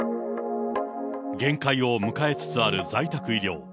限界を迎えつつある在宅医療。